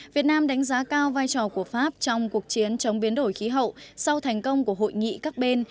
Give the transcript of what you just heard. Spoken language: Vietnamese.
việt nam đánh giá cao vai trò của pháp trong cuộc chiến chống biến đổi khí hậu sau thành công của hội nghị các bên